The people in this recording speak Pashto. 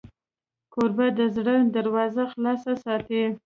کوربه د زړه دروازې خلاصې ساتي.